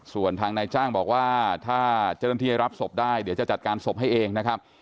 ส่วนทางนายจ้างบอกว่าถ้าเจ้าหน้าที่รับศพได้เดี๋ยวจะจัดการศพให้เองนะครับ